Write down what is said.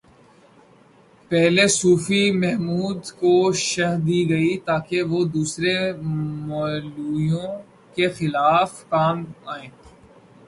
پہلے صوفی محمد کو شہ دی گئی تاکہ وہ دوسرے مولویوں کے خلاف کام آئیں۔